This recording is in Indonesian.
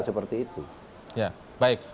seperti itu ya baik